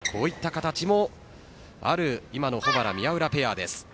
こういった形もある今の保原・宮浦ペアです。